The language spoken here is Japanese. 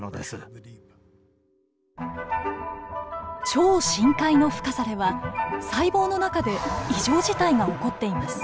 超深海の深さでは細胞の中で異常事態が起こっています。